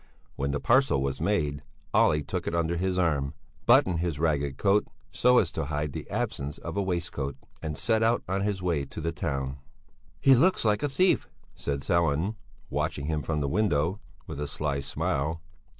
When the parcel was made, Olle took it under his arm, buttoned his ragged coat so as to hide the absence of a waistcoat, and set out on his way to the town. "He looks like a thief," said Sellén, watching him from the window with a sly smile.